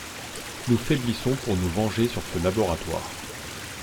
Nous faiblissons pour nous venger sur ce laboratoire.